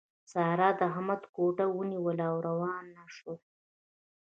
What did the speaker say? سارا د احمد ګوته ونيوله او روان شول.